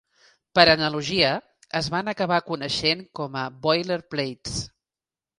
Per analogia, es van acabar coneixent com a "boilerplates".